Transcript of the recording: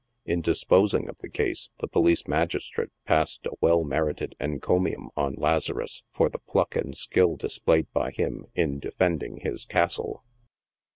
In disposing of the case, the police magistrate passed a well merited encomium on Lazarus for the pluck and skill displayed by him in defending his " castle."